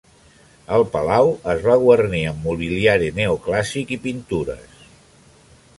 El palau es va guarnir amb mobiliari neoclàssic i pintures.